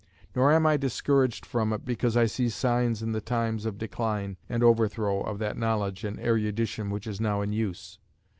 Nor am I discouraged from it because I see signs in the times of the decline and overthrow of that knowledge and erudition which is now in use.